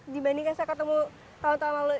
dibandingkan saya ketemu tahun tahun lalu